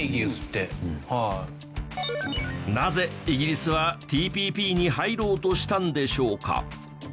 なぜイギリスはＴＰＰに入ろうとしたんでしょうか？